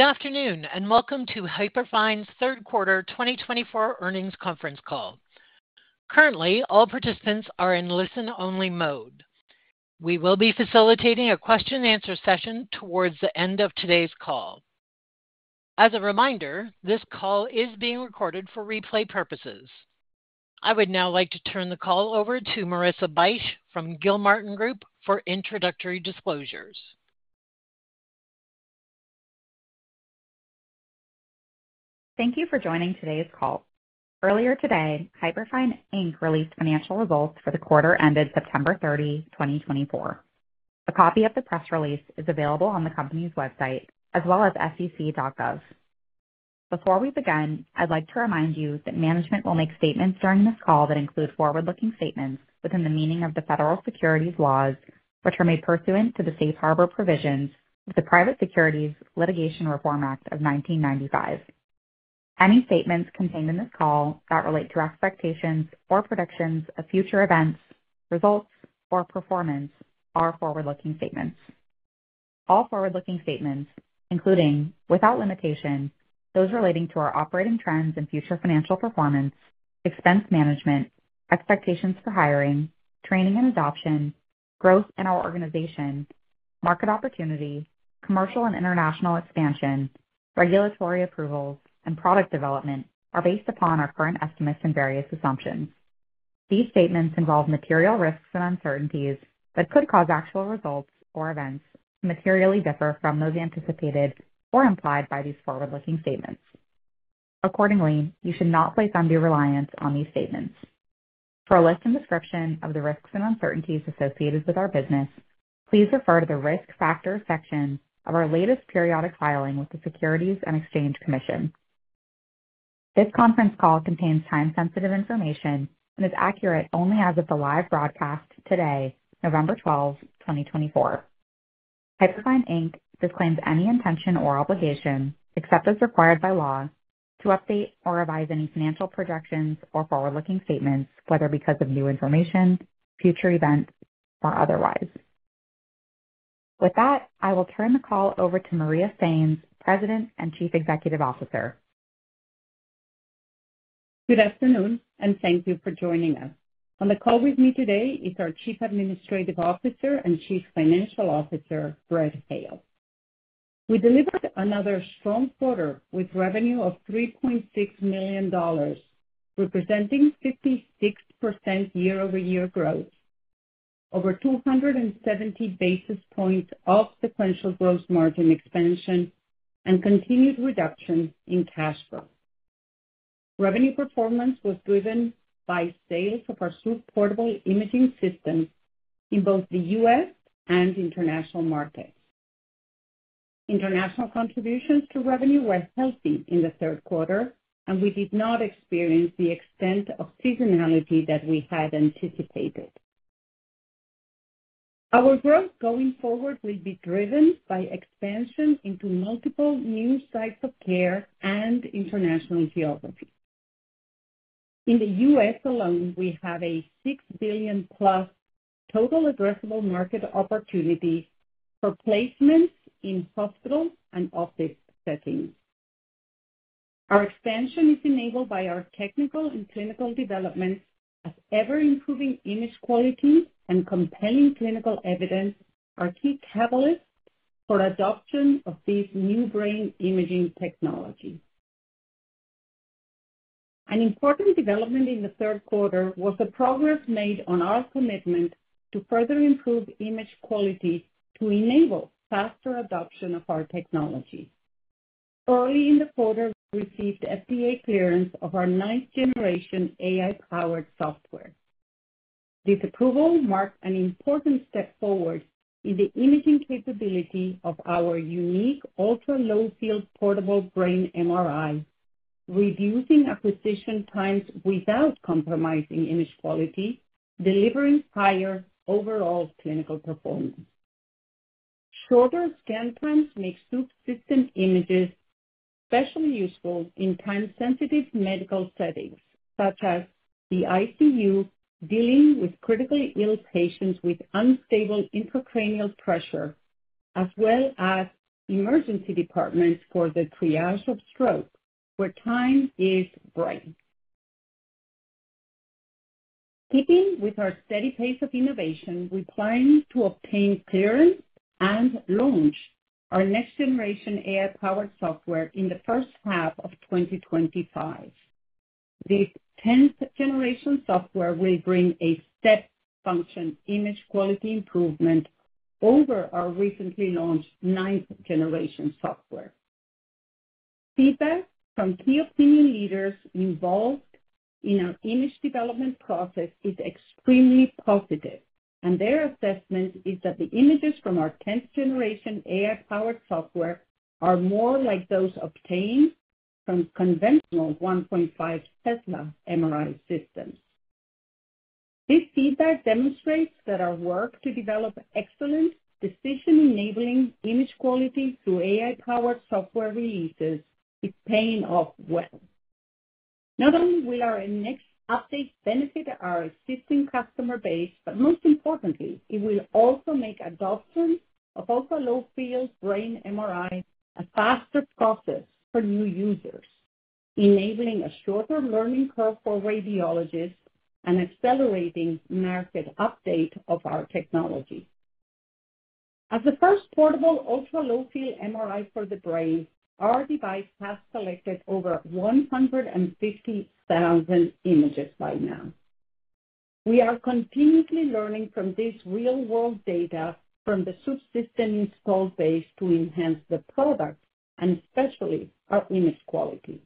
Good afternoon and welcome to Hyperfine's third quarter 2024 earnings conference call. Currently, all participants are in listen-only mode. We will be facilitating a question-and-answer session towards the end of today's call. As a reminder, this call is being recorded for replay purposes. I would now like to turn the call over to Marissa Bych from Gilmartin Group for introductory disclosures. Thank you for joining today's call. Earlier today, Hyperfine, Inc. released financial results for the quarter ended September 30, 2024. A copy of the press release is available on the company's website as well as sec.gov. Before we begin, I'd like to remind you that management will make statements during this call that include forward-looking statements within the meaning of the federal securities laws, which are made pursuant to the safe harbor provisions of the Private Securities Litigation Reform Act of 1995. Any statements contained in this call that relate to expectations or predictions of future events, results, or performance are forward-looking statements. All forward-looking statements, including without limitation, those relating to our operating trends and future financial performance, expense management, expectations for hiring, training and adoption, growth in our organization, market opportunity, commercial and international expansion, regulatory approvals, and product development are based upon our current estimates and various assumptions. These statements involve material risks and uncertainties that could cause actual results or events to materially differ from those anticipated or implied by these forward-looking statements. Accordingly, you should not place undue reliance on these statements. For a list and description of the risks and uncertainties associated with our business, please refer to the risk factor section of our latest periodic filing with the Securities and Exchange Commission. This conference call contains time-sensitive information and is accurate only as of the live broadcast today, November 12, 2024. Hyperfine, Inc. Disclaims any intention or obligation, except as required by law, to update or revise any financial projections or forward-looking statements, whether because of new information, future events, or otherwise. With that, I will turn the call over to Maria Sainz, President and Chief Executive Officer. Good afternoon, and thank you for joining us. On the call with me today is our Chief Administrative Officer and Chief Financial Officer, Brett Hale. We delivered another strong quarter with revenue of $3.6 million, representing 56% year-over-year growth, over 270 basis points of sequential gross margin expansion, and continued reduction in cash flow. Revenue performance was driven by sales of our Swoop portable imaging system in both the U.S. and international markets. International contributions to revenue were healthy in the third quarter, and we did not experience the extent of seasonality that we had anticipated. Our growth going forward will be driven by expansion into multiple new sites of care and international geography. In the U.S. alone, we have a $6 billion-plus total addressable market opportunity for placements in hospital and office settings. Our expansion is enabled by our technical and clinical developments of ever-improving image quality and compelling clinical evidence, our key catalyst for adoption of this new brain imaging technology. An important development in the third quarter was the progress made on our commitment to further improve image quality to enable faster adoption of our technology. Early in the quarter, we received FDA clearance of our ninth-generation AI-powered software. This approval marked an important step forward in the imaging capability of our unique ultra-low-field portable brain MRI, reducing acquisition times without compromising image quality, delivering higher overall clinical performance. Shorter scan times make Swoop images especially useful in time-sensitive medical settings such as the ICU dealing with critically ill patients with unstable intracranial pressure, as well as emergency departments for the triage of stroke, where time is brain. Keeping with our steady pace of innovation, we plan to obtain clearance and launch our next-generation AI-powered software in the first half of 2025. This 10th-generation software will bring a step-function image quality improvement over our recently launched ninth-generation software. Feedback from key opinion leaders involved in our image development process is extremely positive, and their assessment is that the images from our 10th-generation AI-powered software are more like those obtained from conventional 1.5 Tesla MRI systems. This feedback demonstrates that our work to develop excellent, decision-enabling image quality through AI-powered software releases is paying off well. Not only will our next updates benefit our existing customer base, but most importantly, it will also make adoption of ultra-low-field brain MRI a faster process for new users, enabling a shorter learning curve for radiologists and accelerating market uptake of our technology. As the first portable ultra-low-field MRI for the brain, our device has collected over 150,000 images by now. We are continuously learning from this real-world data from the Swoop installed base to enhance the product and especially our image quality.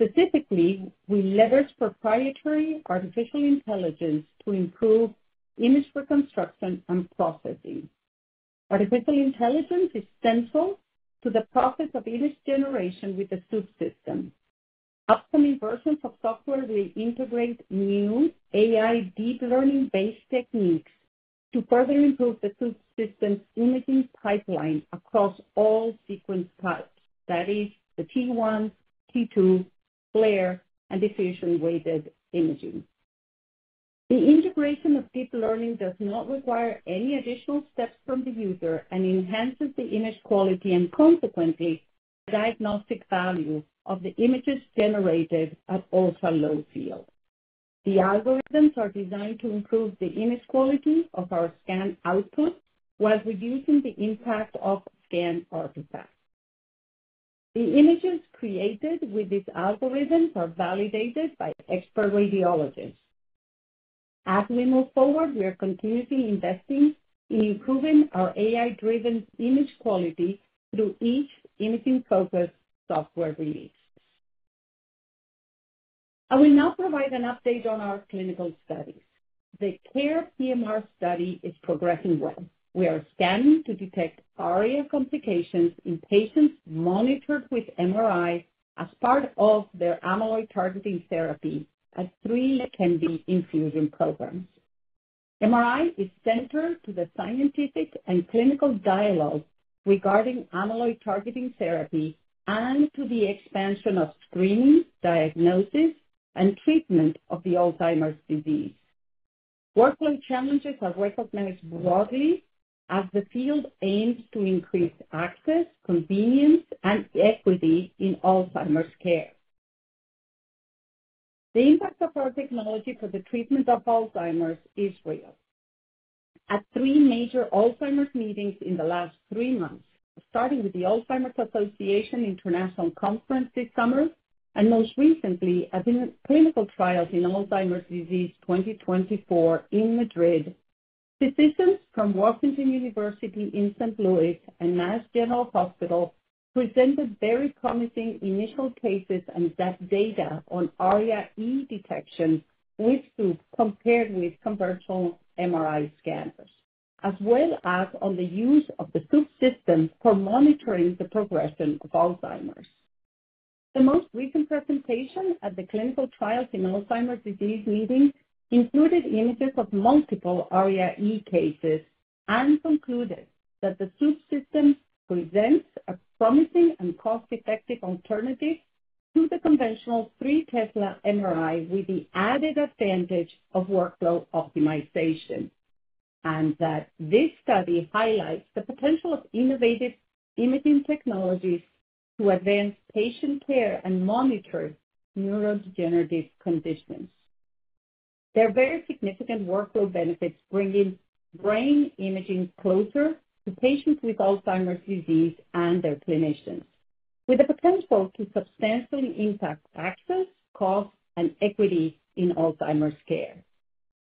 Specifically, we leverage proprietary artificial intelligence to improve image reconstruction and processing. Artificial intelligence is central to the process of image generation with the Swoop system. Upcoming versions of software will integrate new AI deep learning-based techniques to further improve the Swoop's imaging pipeline across all sequence types, that is, the T1, T2, FLAIR, and diffusion-weighted imaging. The integration of deep learning does not require any additional steps from the user and enhances the image quality and consequently the diagnostic value of the images generated at ultra-low field. The algorithms are designed to improve the image quality of our scan output while reducing the impact of scan artifacts. The images created with these algorithms are validated by expert radiologists. As we move forward, we are continuously investing in improving our AI-driven image quality through each imaging-focused software release. I will now provide an update on our clinical studies. The CARE-PMR study is progressing well. We are scanning to detect ARIA complications in patients monitored with MRI as part of their amyloid-targeting therapy at three LEQEMBI infusion programs. MRI is central to the scientific and clinical dialogue regarding amyloid-targeting therapy and to the expansion of screening, diagnosis, and treatment of Alzheimer's disease. Workload challenges are recognized broadly as the field aims to increase access, convenience, and equity in Alzheimer's care. The impact of our technology for the treatment of Alzheimer's is real. At three major Alzheimer's meetings in the last three months, starting with the Alzheimer's Association International Conference this summer and most recently at the Clinical Trials in Alzheimer's Disease 2024 in Madrid, physicians from Washington University in St. Louis and Mass General Hospital presented very promising initial cases and data on ARIA-E Detection, compared with conventional MRI scanners, as well as on the use of the Swoop system for monitoring the progression of Alzheimer's. The most recent presentation at the Clinical Trials in Alzheimer's Disease meeting included images of multiple ARIA-E cases and concluded that the Swoop system presents a promising and cost-effective alternative to the conventional three Tesla MRI with the added advantage of workload optimization, and that this study highlights the potential of innovative imaging technologies to advance patient care and monitor neurodegenerative conditions. There are very significant workload benefits bringing brain imaging closer to patients with Alzheimer's disease and their clinicians, with the potential to substantially impact access, cost, and equity in Alzheimer's care.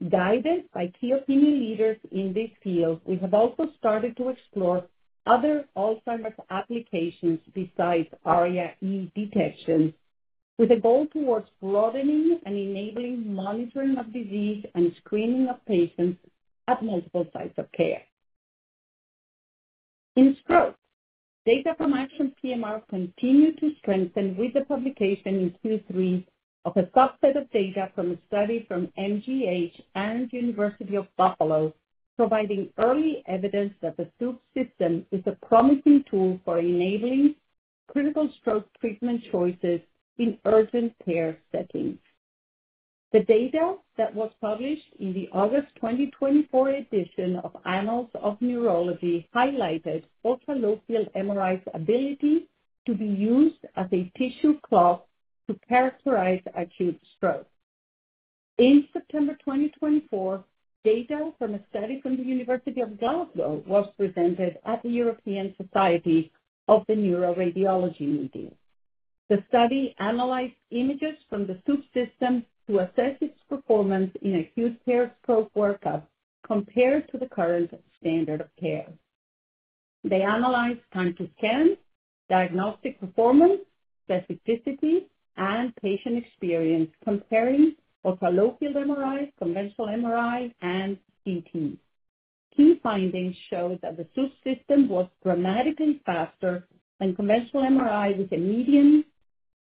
Guided by key opinion leaders in this field, we have also started to explore other Alzheimer's applications besides ARIA-E detection, with a goal towards broadening and enabling monitoring of disease and screening of patients at multiple sites of care. In stroke, data from ACTION PMR continued to strengthen with the publication in Q3 of a subset of data from a study from MGH and University at Buffalo, providing early evidence that the Swoop system is a promising tool for enabling critical stroke treatment choices in urgent care settings. The data that was published in the August 2024 edition of Annals of Neurology highlighted ultra-low-field MRI's ability to be used as a tissue clock to characterize acute stroke. In September 2024, data from a study from the University of Glasgow was presented at the European Society of Neuroradiology meeting. The study analyzed images from the Swoop to assess its performance in acute care stroke workup compared to the current standard of care. They analyzed time to scan, diagnostic performance, specificity, and patient experience comparing ultra-low-field MRI, conventional MRI, and CT. Key findings showed that the Swoop was dramatically faster than conventional MRI with a median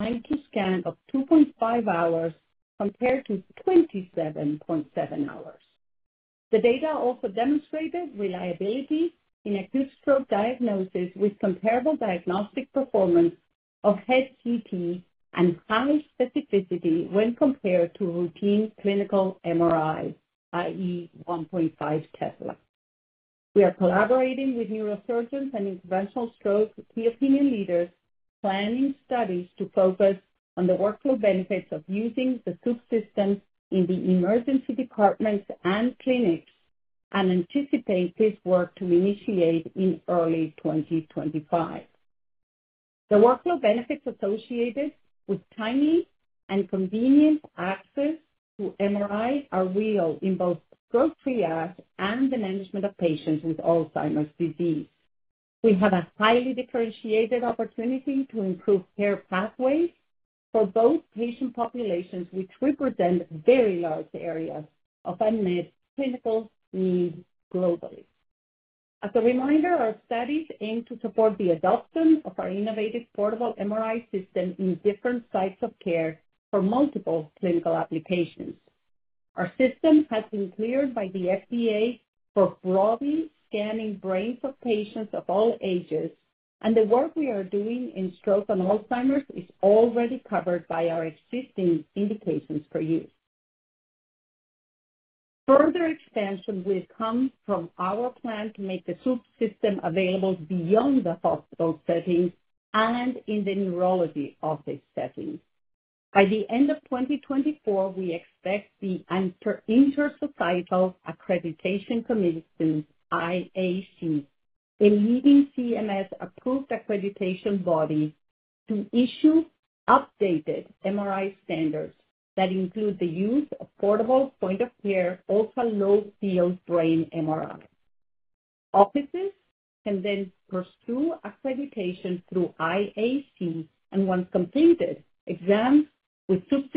time to scan of 2.5 hours compared to 27.7 hours. The data also demonstrated reliability in acute stroke diagnosis with comparable diagnostic performance of head CT and high specificity when compared to routine clinical MRI, i.e., 1.5 Tesla. We are collaborating with neurosurgeons and interventional stroke key opinion leaders planning studies to focus on the workload benefits of using the Swoop in the emergency departments and clinics and anticipate this work to initiate in early 2025. The workload benefits associated with timely and convenient access to MRI are real in both stroke triage and the management of patients with Alzheimer's disease. We have a highly differentiated opportunity to improve care pathways for both patient populations, which represent very large areas of unmet clinical needs globally. As a reminder, our studies aim to support the adoption of our innovative portable MRI system in different sites of care for multiple clinical applications. Our system has been cleared by the FDA for broadly scanning brains of patients of all ages, and the work we are doing in stroke and Alzheimer's is already covered by our existing indications for use. Further expansion will come from our plan to make the Swoop available beyond the hospital settings and in the neurology office settings. By the end of 2024, we expect the Intersocietal Accreditation Commission, IAC, a leading CMS-approved accreditation body, to issue updated MRI standards that include the use of portable point-of-care ultra-low-field brain MRI. Offices can then pursue accreditation through IAC, and once completed, exams with Swoop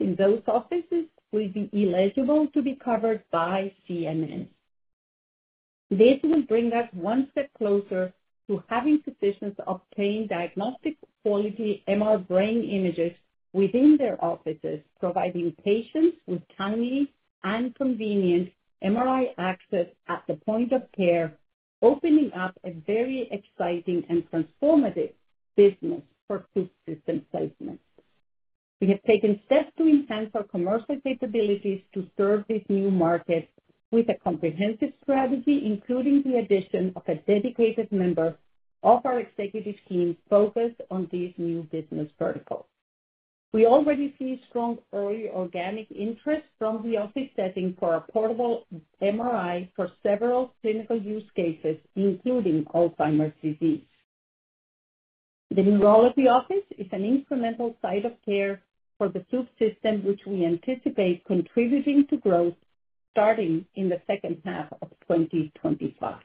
in those offices will be eligible to be covered by CMS. This will bring us one step closer to having physicians obtain diagnostic quality MR brain images within their offices, providing patients with timely and convenient MRI access at the point of care, opening up a very exciting and transformative business for Swoop placement. We have taken steps to enhance our commercial capabilities to serve this new market with a comprehensive strategy, including the addition of a dedicated member of our executive team focused on these new business verticals. We already see strong early organic interest from the office setting for a portable MRI for several clinical use cases, including Alzheimer's disease. The neurology office is an incremental site of care for the Swoop, which we anticipate contributing to growth starting in the second half of 2025.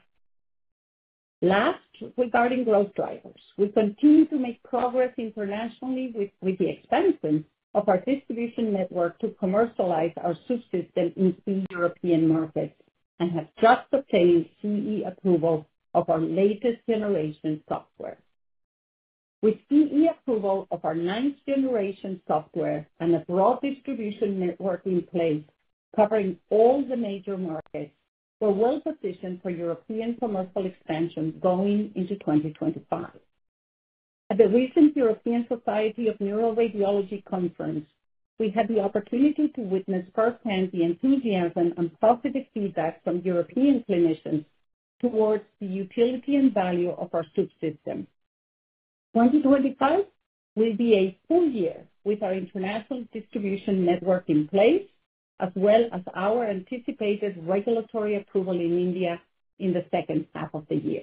Last, regarding growth drivers, we continue to make progress internationally with the expansion of our distribution network to commercialize our Swoop in the European markets and have just obtained CE approval of our latest-generation software. With CE approval of our ninth-generation software and a broad distribution network in place covering all the major markets, we're well positioned for European commercial expansion going into 2025. At the recent European Society of Neuroradiology conference, we had the opportunity to witness firsthand the enthusiasm and positive feedback from European clinicians towards the utility and value of our Swoop system. 2025 will be a full year with our international distribution network in place, as well as our anticipated regulatory approval in India in the second half of the year.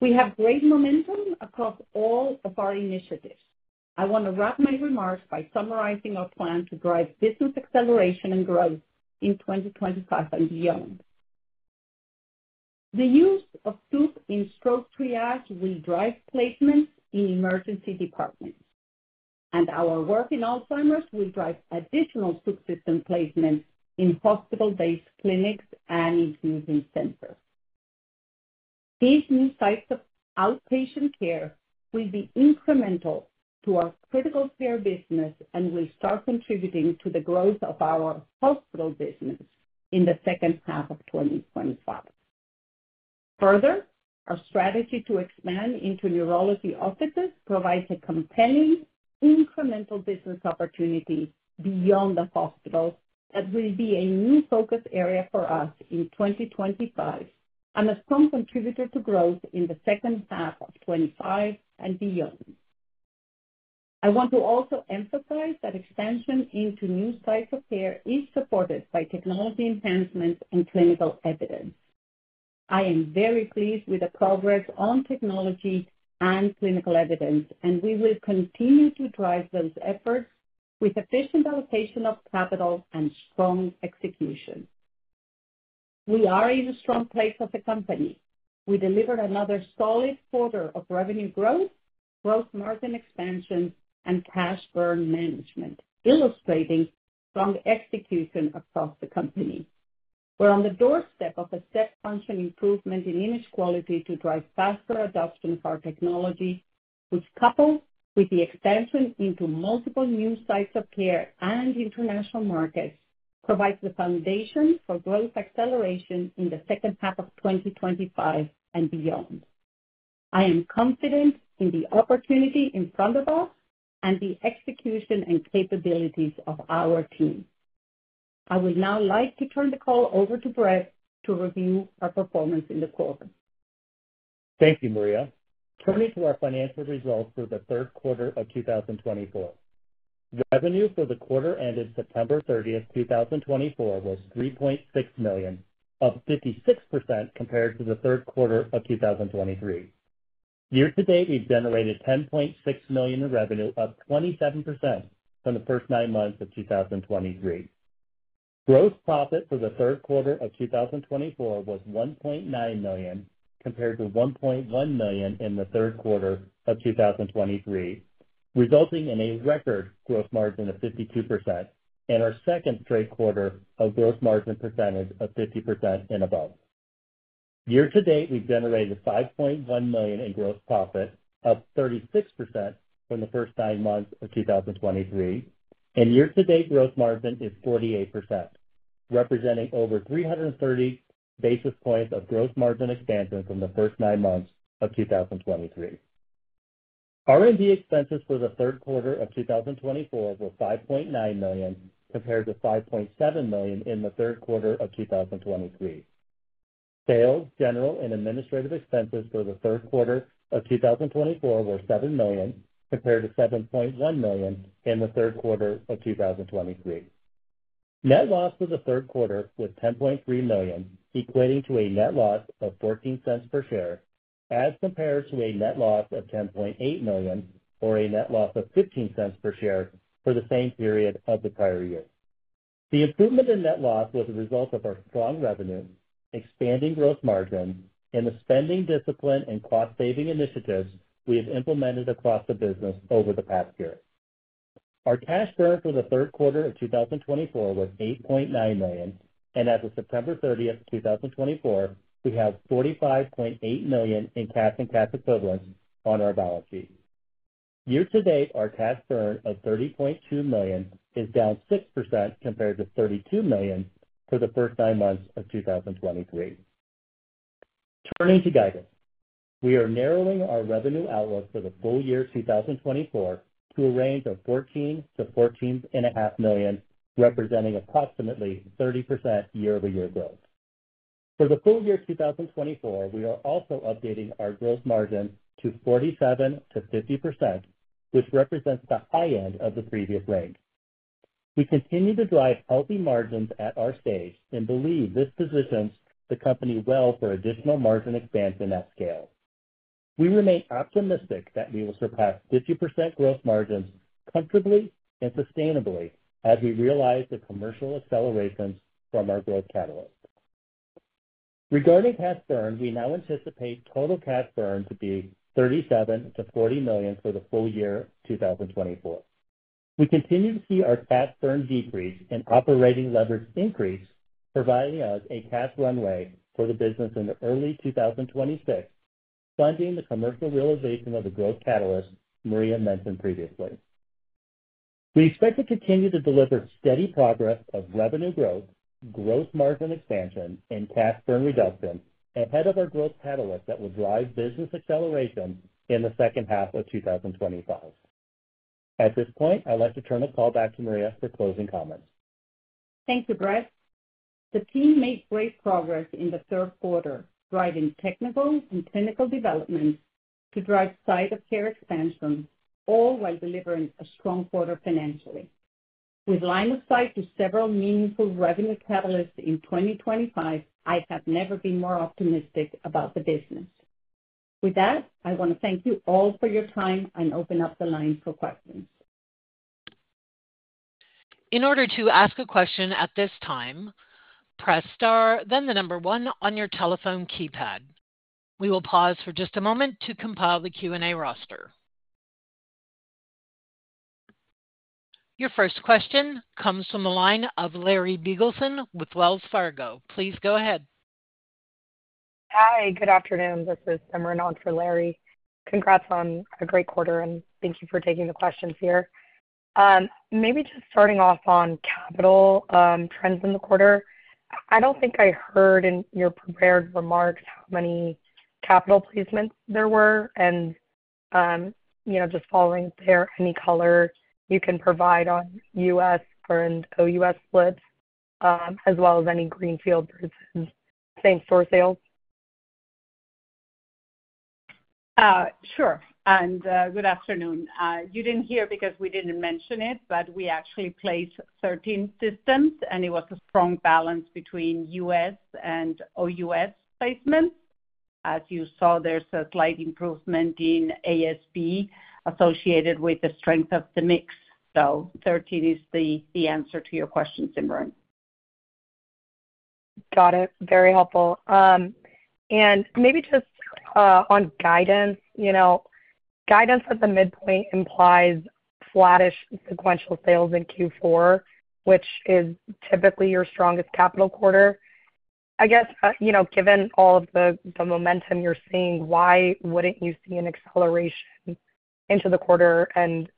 We have great momentum across all of our initiatives. I want to wrap my remarks by summarizing our plan to drive business acceleration and growth in 2025 and beyond. The use of Swoop in stroke triage will drive placements in emergency departments, and our work in Alzheimer's will drive additional Swoop placements in hospital-based clinics and infusion centers. These new sites of outpatient care will be incremental to our critical care business and will start contributing to the growth of our hospital business in the second half of 2025. Further, our strategy to expand into neurology offices provides a compelling incremental business opportunity beyond the hospital that will be a new focus area for us in 2025 and a strong contributor to growth in the second half of 2025 and beyond. I want to also emphasize that expansion into new sites of care is supported by technology enhancements and clinical evidence. I am very pleased with the progress on technology and clinical evidence, and we will continue to drive those efforts with efficient allocation of capital and strong execution. We are in a strong place as a company. We delivered another solid quarter of revenue growth, gross margin expansion, and cash burn management, illustrating strong execution across the company. We're on the doorstep of a step-function improvement in image quality to drive faster adoption of our technology, which, coupled with the expansion into multiple new sites of care and international markets, provides the foundation for growth acceleration in the second half of 2025 and beyond. I am confident in the opportunity in front of us and the execution and capabilities of our team. I would now like to turn the call over to Brett to review our performance in the quarter. Thank you, Maria. Turning to our financial results for the third quarter of 2024, revenue for the quarter ended September 30, 2024, was $3.6 million, up 56% compared to the third quarter of 2023. Year-to-date, we've generated $10.6 million in revenue, up 27% from the first nine months of 2023. Gross profit for the third quarter of 2024 was $1.9 million compared to $1.1 million in the third quarter of 2023, resulting in a record gross margin of 52% and our second straight quarter of gross margin percentage of 50% and above. Year-to-date, we've generated $5.1 million in gross profit, up 36% from the first nine months of 2023, and year-to-date gross margin is 48%, representing over 330 basis points of gross margin expansion from the first nine months of 2023. R&D expenses for the third quarter of 2024 were $5.9 million compared to $5.7 million in the third quarter of 2023. Sales, general, and administrative expenses for the third quarter of 2024 were $7 million compared to $7.1 million in the third quarter of 2023. Net loss for the third quarter was $10.3 million, equating to a net loss of $0.14 per share, as compared to a net loss of $10.8 million or a net loss of $0.15 per share for the same period of the prior year. The improvement in net loss was a result of our strong revenue, expanding gross margin, and the spending discipline and cost-saving initiatives we have implemented across the business over the past year. Our cash burn for the third quarter of 2024 was $8.9 million, and as of September 30, 2024, we have $45.8 million in cash and cash equivalents on our balance sheet. Year-to-date, our cash burn of $30.2 million is down 6% compared to $32 million for the first nine months of 2023. Turning to guidance, we are narrowing our revenue outlook for the full year 2024 to a range of $14 million-$14.5 million, representing approximately 30% year-over-year growth. For the full year 2024, we are also updating our gross margin to 47%-50%, which represents the high end of the previous range. We continue to drive healthy margins at our stage and believe this positions the company well for additional margin expansion at scale. We remain optimistic that we will surpass 50% gross margins comfortably and sustainably as we realize the commercial accelerations from our growth catalyst. Regarding cash burn, we now anticipate total cash burn to be $37 million-$40 million for the full year 2024. We continue to see our cash burn decrease and operating leverage increase, providing us a cash runway for the business in early 2026, funding the commercial realization of the growth catalyst Maria mentioned previously. We expect to continue to deliver steady progress of revenue growth, gross margin expansion, and cash burn reduction ahead of our growth catalyst that will drive business acceleration in the second half of 2025. At this point, I'd like to turn the call back to Maria for closing comments. Thank you, Brett. The team made great progress in the third quarter, driving technical and clinical developments to drive site-of-care expansion, all while delivering a strong quarter financially. With line of sight to several meaningful revenue catalysts in 2025, I have never been more optimistic about the business. With that, I want to thank you all for your time and open up the line for questions. In order to ask a question at this time, press star, then the number one on your telephone keypad. We will pause for just a moment to compile the Q&A roster. Your first question comes from the line of Larry Biegelsen with Wells Fargo. Please go ahead. Hi, good afternoon. This is Simran on for Larry. Congrats on a great quarter, and thank you for taking the questions here. Maybe just starting off on capital trends in the quarter, I don't think I heard in your prepared remarks how many capital placements there were, and just following there, any color you can provide on U.S. or in OUS splits, as well as any greenfield versus same-store sales? Sure. And good afternoon. You didn't hear because we didn't mention it, but we actually placed 13 systems, and it was a strong balance between U.S. and OUS placements. As you saw, there's a slight improvement in ASP associated with the strength of the mix. So 13 is the answer to your question, Simran. Got it. Very helpful. And maybe just on guidance, guidance at the midpoint implies flattish sequential sales in Q4, which is typically your strongest capital quarter. I guess, given all of the momentum you're seeing, why wouldn't you see an acceleration into the quarter? And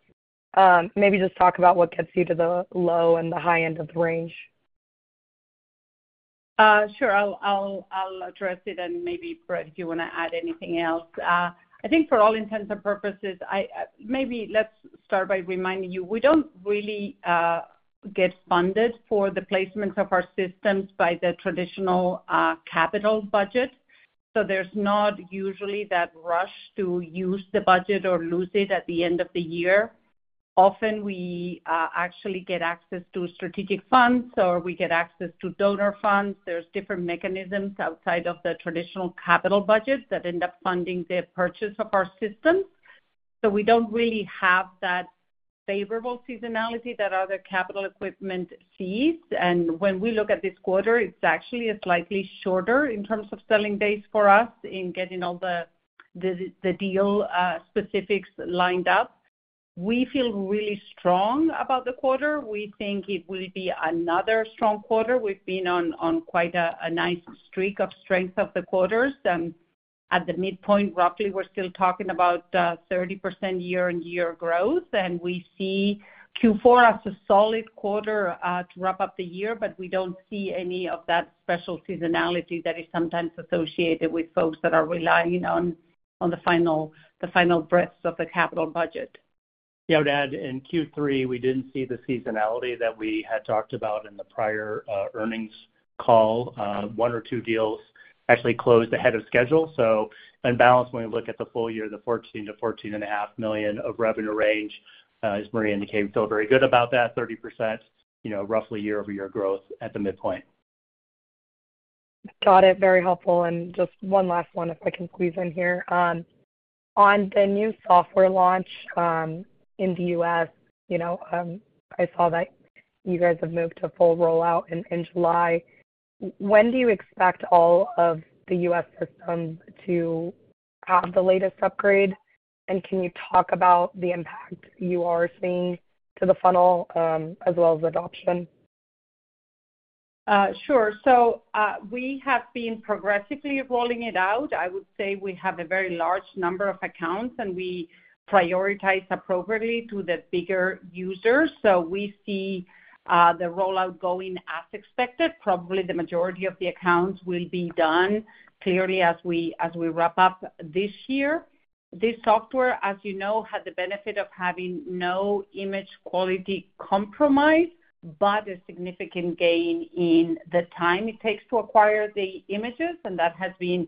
maybe just talk about what gets you to the low and the high end of the range. Sure. I'll address it, and maybe, Brett, if you want to add anything else. I think for all intents and purposes, maybe let's start by reminding you we don't really get funded for the placements of our systems by the traditional capital budget. So there's not usually that rush to use the budget or lose it at the end of the year. Often, we actually get access to strategic funds or we get access to donor funds. There's different mechanisms outside of the traditional capital budget that end up funding the purchase of our systems, so we don't really have that favorable seasonality that other capital equipment sees, and when we look at this quarter, it's actually a slightly shorter in terms of selling days for us in getting all the deal specifics lined up. We feel really strong about the quarter. We think it will be another strong quarter. We've been on quite a nice streak of strength of the quarters. At the midpoint, roughly, we're still talking about 30% year-on-year growth, and we see Q4 as a solid quarter to wrap up the year, but we don't see any of that special seasonality that is sometimes associated with folks that are relying on the final breaths of the capital budget. Yeah, I would add, in Q3, we didn't see the seasonality that we had talked about in the prior earnings call. One or two deals actually closed ahead of schedule. So in balance, when we look at the full year, the $14 million-$14.5 million of revenue range, as Maria indicated, we feel very good about that, 30%, roughly year-over-year growth at the midpoint. Got it. Very helpful. And just one last one, if I can squeeze in here. On the new software launch in the U.S., I saw that you guys have moved to full rollout in July. When do you expect all of the U.S. systems to have the latest upgrade? And can you talk about the impact you are seeing to the funnel as well as adoption? Sure. So we have been progressively rolling it out. I would say we have a very large number of accounts, and we prioritize appropriately to the bigger users. So we see the rollout going as expected. Probably the majority of the accounts will be done clearly as we wrap up this year. This software, as you know, had the benefit of having no image quality compromise but a significant gain in the time it takes to acquire the images, and that has been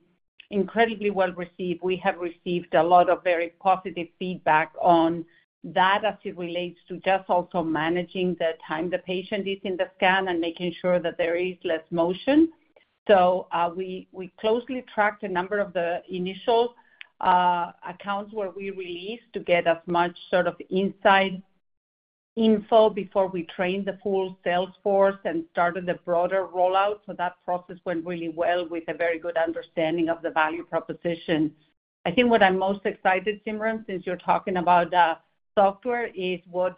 incredibly well received. We have received a lot of very positive feedback on that as it relates to just also managing the time the patient is in the scan and making sure that there is less motion. So we closely tracked a number of the initial accounts where we released to get as much sort of inside info before we trained the full sales force and started the broader rollout. So that process went really well with a very good understanding of the value proposition. I think what I'm most excited, Simran, since you're talking about software, is what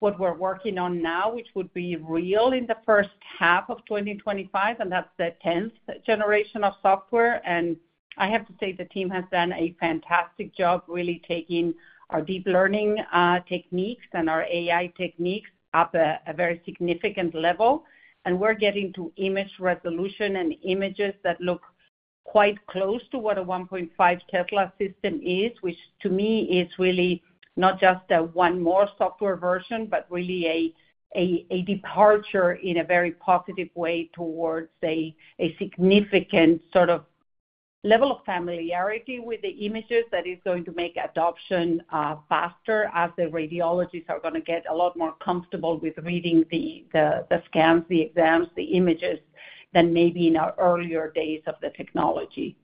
we're working on now, which would be released in the first half of 2025, and that's the 10th-generation of software, and I have to say the team has done a fantastic job really taking our deep learning techniques and our AI techniques up a very significant level. We're getting to image resolution and images that look quite close to what a 1.5 Tesla system is, which to me is really not just one more software version, but really a departure in a very positive way towards a significant sort of level of familiarity with the images that is going to make adoption faster as the radiologists are going to get a lot more comfortable with reading the scans, the exams, the images than maybe in our earlier days of the technology.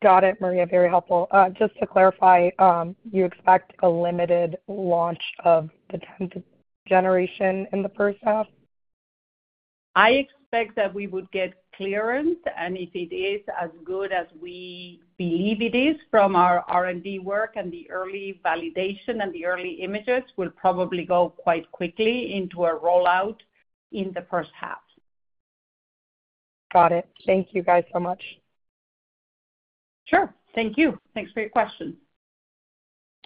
Got it, Maria. Very helpful. Just to clarify, you expect a limited launch of the 10th-generation in the first half? I expect that we would get clearance, and if it is as good as we believe it is from our R&D work and the early validation and the early images, we'll probably go quite quickly into a rollout in the first half. Got it. Thank you guys so much. Sure. Thank you. Thanks for your question.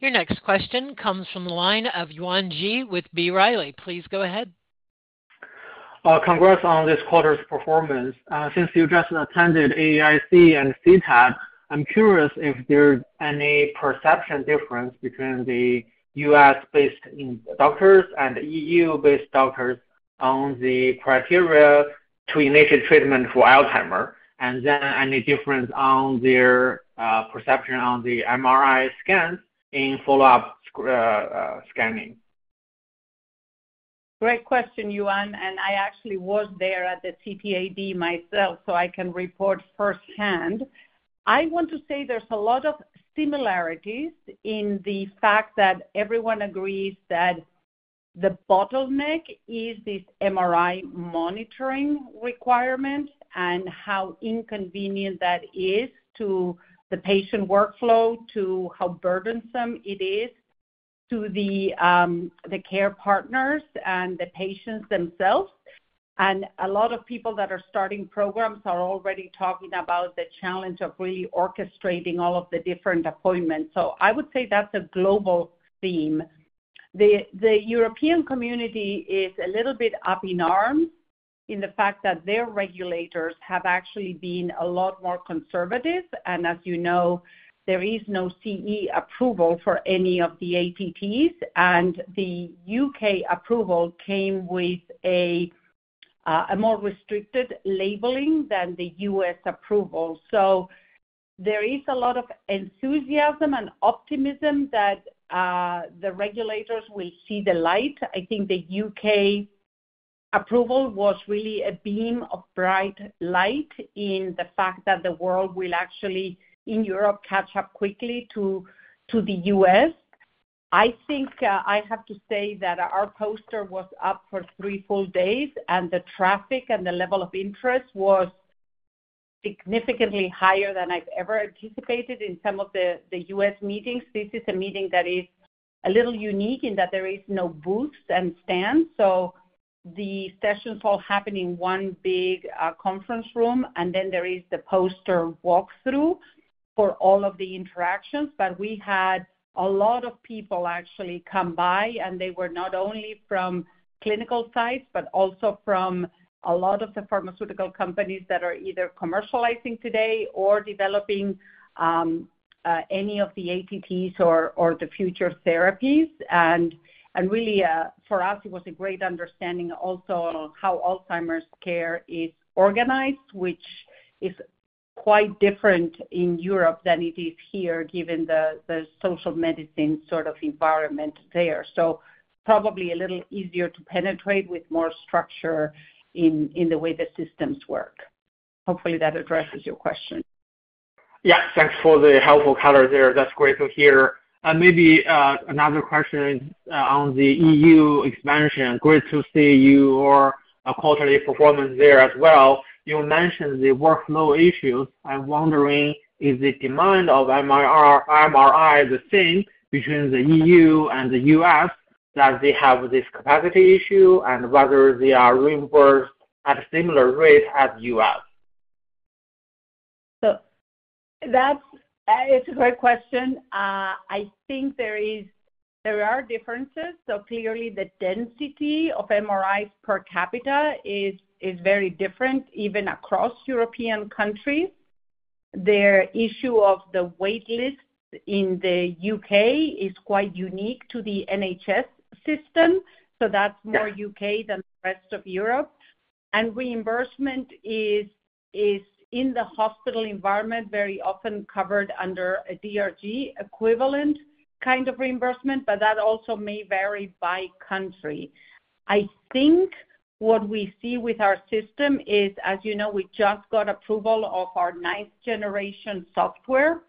Your next question comes from the line of Yuan Zhi with B. Riley. Please go ahead. Congrats on this quarter's performance. Since you just attended AAIC and CTAD, I'm curious if there's any perception difference between the U.S.-based doctors and EU-based doctors on the criteria to initiate treatment for Alzheimer's and then any difference on their perception on the MRI scans in follow-up scanning. Great question, Yuan. And I actually was there at the CTAD myself, so I can report firsthand. I want to say there's a lot of similarities in the fact that everyone agrees that the bottleneck is this MRI monitoring requirement and how inconvenient that is to the patient workflow, to how burdensome it is to the care partners and the patients themselves. A lot of people that are starting programs are already talking about the challenge of really orchestrating all of the different appointments. So I would say that's a global theme. The European community is a little bit up in arms in the fact that their regulators have actually been a lot more conservative. And as you know, there is no CE approval for any of the ATTs, and the U.K. approval came with a more restricted labeling than the U.S. approval. So there is a lot of enthusiasm and optimism that the regulators will see the light. I think the U.K. approval was really a beam of bright light in the fact that the world will actually, in Europe, catch up quickly to the U.S. I think I have to say that our poster was up for three full days, and the traffic and the level of interest was significantly higher than I've ever anticipated in some of the U.S. meetings. This is a meeting that is a little unique in that there are no booths and stands, so the sessions all happen in one big conference room, and then there is the poster walkthrough for all of the interactions, but we had a lot of people actually come by, and they were not only from clinical sites but also from a lot of the pharmaceutical companies that are either commercializing today or developing any of the ATTs or the future therapies. And really, for us, it was a great understanding also on how Alzheimer's care is organized, which is quite different in Europe than it is here, given the social medicine sort of environment there. So probably a little easier to penetrate with more structure in the way the systems work. Hopefully, that addresses your question. Yeah. Thanks for the helpful comment there. That's great to hear. And maybe another question on the EU expansion. Great to see your quarterly performance there as well. You mentioned the workflow issues. I'm wondering, is the demand of MRI the same between the EU and the U.S. that they have this capacity issue and whether they are reimbursed at a similar rate as U.S.? So it's a great question. I think there are differences. So clearly, the density of MRIs per capita is very different even across European countries. The issue of the waitlist in the U.K. is quite unique to the NHS system, so that's more U.K. than the rest of Europe, and reimbursement is, in the hospital environment, very often covered under a DRG equivalent kind of reimbursement, but that also may vary by country. I think what we see with our system is, as you know, we just got approval of our ninth-generation software.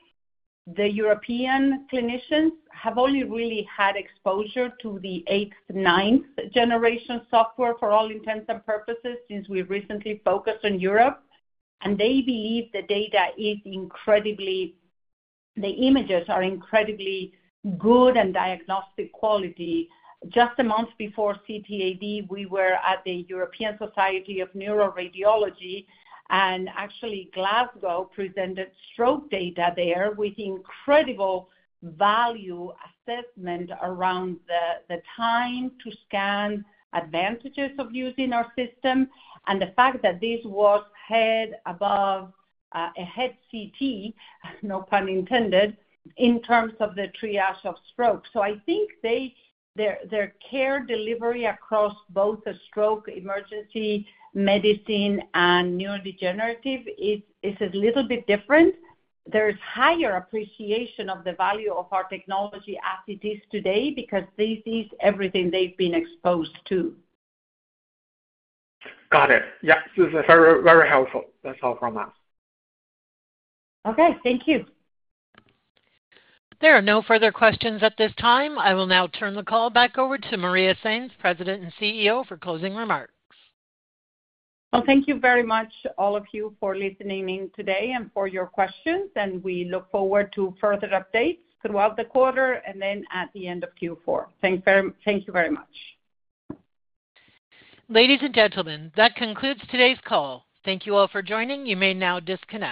The European clinicians have only really had exposure to the eighth, ninth-generation software for all intents and purposes since we recently focused on Europe, and they believe the data is incredibly, the images are incredibly good and diagnostic quality. Just a month before CTAD, we were at the European Society of Neuroradiology, and actually, Glasgow presented stroke data there with incredible value assessment around the time to scan advantages of using our system and the fact that this was head above a head CT, no pun intended, in terms of the triage of stroke. So I think their care delivery across both the stroke emergency medicine and neurodegenerative is a little bit different. There is higher appreciation of the value of our technology as it is today because this is everything they've been exposed to. Got it. Yeah. This is very, very helpful. That's all from us. Okay. Thank you. There are no further questions at this time. I will now turn the call back over to Maria Sainz, President and CEO, for closing remarks. Thank you very much, all of you, for listening in today and for your questions. We look forward to further updates throughout the quarter and then at the end of Q4. Thank you very much. Ladies and gentlemen, that concludes today's call. Thank you all for joining. You may now disconnect.